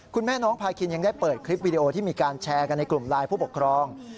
คุณแม่น้องพาคินยังได้เปิดคลิปวิดีโอที่มีการแชร์กันในกลุ่มไลน์ผู้ปกครอง